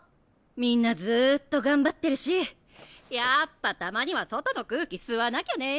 みんなずっと頑張ってるしやっぱたまには外の空気吸わなきゃね。